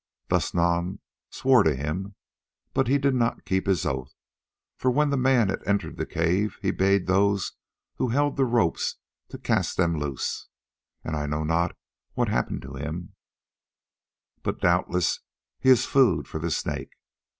Thus Nam swore to him, but he did not keep his oath, for when the man had entered the cave he bade those who held the ropes to cast them loose, and I know not what happened to him, but doubtless he is food for the Snake.